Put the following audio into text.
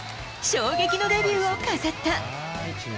衝撃のデビューを飾った。